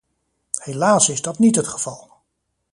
Helaas is dat niet het geval!